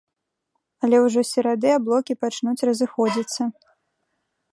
Але ўжо з серады аблокі пачнуць разыходзіцца.